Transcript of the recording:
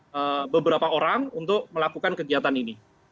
dengan beberapa orang untuk melakukan kegiatan ini